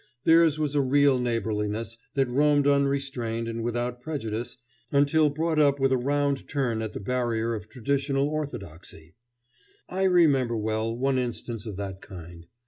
Theirs was a real neighborliness that roamed unrestrained and without prejudice until brought up with a round turn at the barrier of traditional orthodoxy. I remember well one instance of that kind.